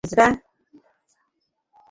Hello, ব্র্যায!